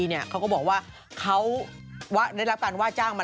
เนี่ยเค้าก็บอกว่าเค้าได้รับการว่าจ้างมา